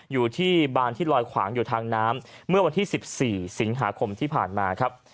อยู่ที่บานที่ลอยขวางอยู่ทางน้ำเมื่อวันที่๑๔สิงหาคมที่ผ่านมาครับ